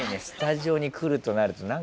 スタジオに来るとなると。